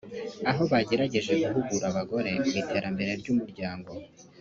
aho bagerageje guhugura abagore ku iterambere ry’umuryango